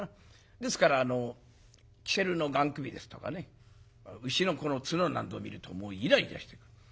ですからキセルのがん首ですとかね牛の角なんぞを見るともうイライラしてくる。